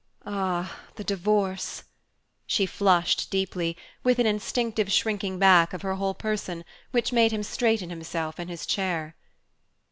"Ah, the divorce " She flushed deeply, with an instinctive shrinking back of her whole person which made him straighten himself in his chair.